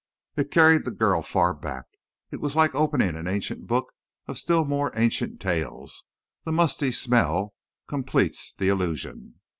It carried the girl far back; it was like opening an ancient book of still more ancient tales; the musty smell completes the illusion.